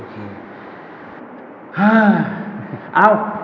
หรือให้พอดี